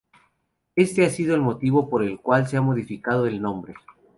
Este ha sido el motivo por el cual se ha modificado el nombre.